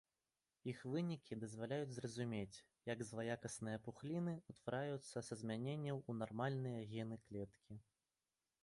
Іх вынікі дазваляюць зразумець, як злаякасныя пухліны ўтвараюцца са змяненняў у нармальныя гены клеткі.